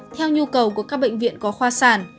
theo nhu cầu của các bệnh viện có khoa sản